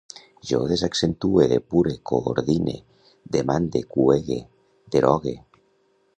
Jo desaccentue, depure, coordine, demande, cuege, derogue